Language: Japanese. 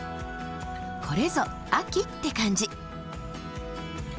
これぞ秋って感じ。